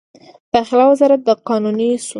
داخله وزارت د قانوني شو.